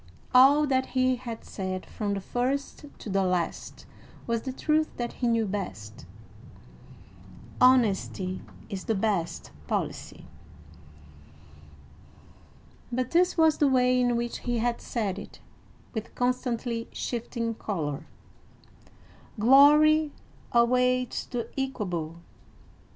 All that he had said from the first to the last was the truth that he knew best: "Honesty is the best policy;" but this was the way in which he had said it, with constantly shifting color: "Glory awaits the equable!